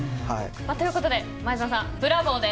ということで前園さん、ブラボーです。